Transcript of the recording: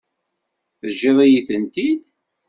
Teǧǧiḍ-iyi-tent-id?